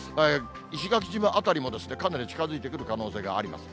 石垣島辺りもですね、かなり近づいてくる可能性があります。